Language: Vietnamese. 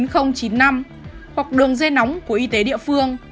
hoặc đường dây nóng của y tế địa phương